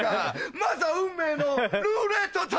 まずは運命のルーレットタイム！